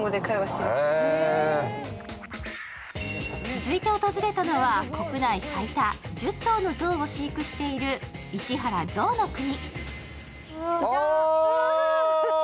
続いて訪れたのは国内最多、１０頭の象を飼育している市原ぞうの国。